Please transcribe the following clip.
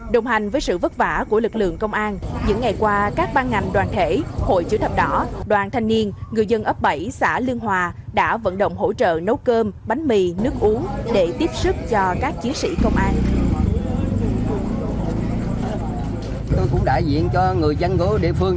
đồng hành với sự vất vả của lực lượng công an những ngày qua các ban ngành đoàn thể hội chủ thập đỏ đoàn thanh niên người dân ấp bảy xã lương hòa đã vận động hỗ trợ nấu cơm bánh mì nước uống để tiếp tục đối tượng